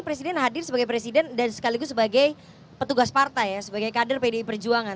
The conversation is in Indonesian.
presiden hadir sebagai presiden dan sekaligus sebagai petugas partai ya sebagai kader pdi perjuangan